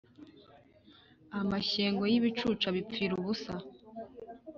amashyengo y’ibicucu abipfira ubusa.